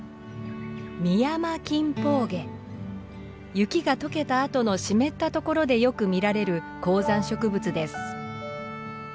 雪が解けたあとの湿ったところでよく見られる高山植物です。